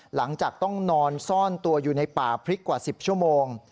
หลังจากต้องนอนซ่อนตัวอยู่ในป่าพริกกว่า๑๐ชั่วโมง